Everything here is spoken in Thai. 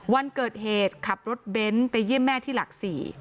วันเกิดเหตุขับรถเบนท์ไปเยี่ยมแม่ที่หลัก๔